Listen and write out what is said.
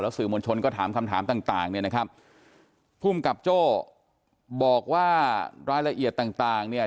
สื่อมวลชนก็ถามคำถามต่างต่างเนี่ยนะครับภูมิกับโจ้บอกว่ารายละเอียดต่างต่างเนี่ย